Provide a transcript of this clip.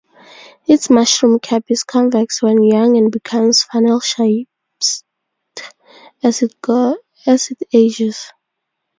Its mushroom cap is convex when young and becomes funnel shaped as it ages.